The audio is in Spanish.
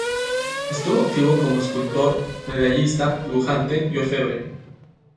Estuvo activo como escultor, medallista, dibujante y orfebre.